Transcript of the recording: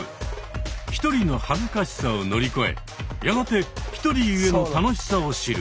ひとりの恥ずかしさを乗り越えやがてひとりゆえの楽しさを知る。